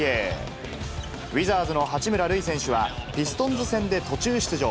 ウィザーズの八村塁選手は、ピストンズ戦で途中出場。